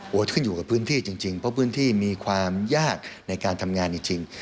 ขึ้นอยู่กับพื้นที่จริงเพราะพื้นที่มีความยากในการทำงานจริง